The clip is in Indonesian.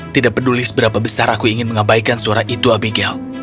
tidak peduli seberapa besar aku ingin mengabaikan suara itu abigail